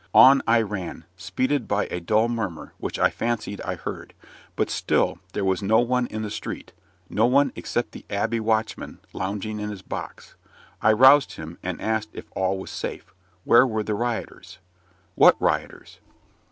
On I ran, speeded by a dull murmur, which I fancied I heard; but still there was no one in the street no one except the Abbey watchman lounging in his box. I roused him, and asked if all was safe? where were the rioters? "What rioters?"